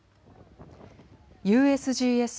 ＵＳＧＳ